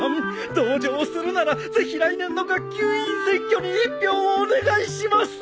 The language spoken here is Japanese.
同情するならぜひ来年の学級委員選挙に１票をお願いします。